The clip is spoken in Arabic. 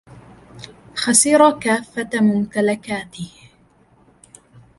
خسر كافة ممتلكاته.